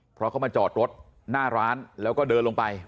เพราะเขามาจอดรถหน้าร้านแล้วก็เดินลงไป